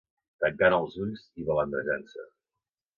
Tancant els ulls i balandrejant-se.